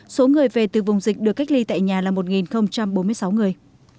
số người về từ vùng dịch được cách ly tại nhà là một bốn mươi sáu người